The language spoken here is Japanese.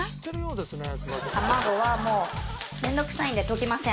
卵はもう面倒くさいんで溶きません。